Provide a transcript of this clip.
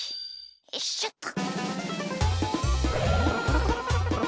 よいしょっと。